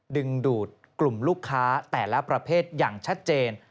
ดึงดูดกลุ่มลูกค้าแต่ละประเภทอย่างชัดเจน